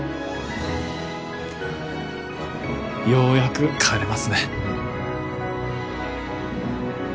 ようやく帰れますね。